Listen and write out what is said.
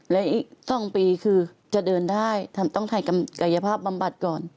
และอีก๒ปีคือจะเดินได้ต้องถ่ายกายภาพบำบัดก่อน